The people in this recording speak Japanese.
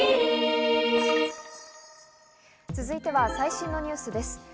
続いては最新のニュースです。